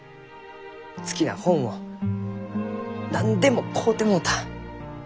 好きな本を何でも買うてもろうた。